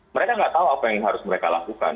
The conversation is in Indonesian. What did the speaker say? mereka nggak tahu apa yang harus mereka lakukan